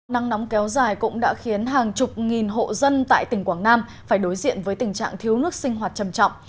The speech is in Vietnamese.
nắng nóng kéo dài cũng đã khiến hàng chục nghìn hộ dân tại tỉnh quảng nam phải đối diện với tình trạng thiếu nước sinh hoạt trầm trọng